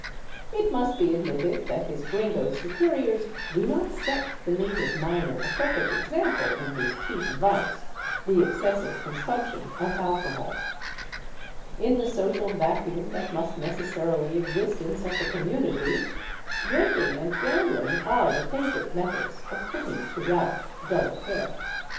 It must be admitted that his gringo superiors do not set the native miner a perfect example in his chief vice, the excessive consumption of alcohol. In the social vacuum that must necessarily exist in such a community, drinking and gambling are the favorite methods of putting to rout dull care.